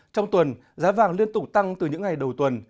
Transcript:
trong tuần giá vàng liên tục tăng từ những ngày đầu tuần